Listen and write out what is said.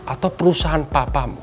atau perusahaan papamu